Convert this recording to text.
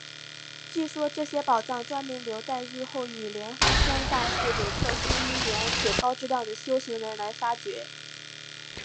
据说这些宝藏专门留待日后与莲花生大士有特殊因缘且高证量的修行人来发觉。